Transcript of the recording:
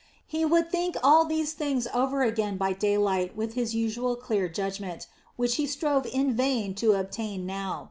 He would think all these things over again by daylight with his usual clear judgment, which he strove in vain to obtain now.